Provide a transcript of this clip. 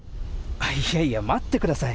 いやいや、待ってください。